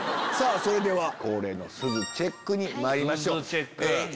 それでは恒例のすずチェックにまいりましょう。